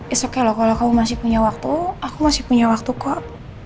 it's okay loh kalau kamu masih punya waktu aku masih punya waktu kok